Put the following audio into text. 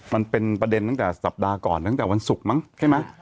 มันเป็นประเด็นตั้งแต่สัปดาห์ก่อนตั้งแต่วันศุกร์มั้งใช่ไหม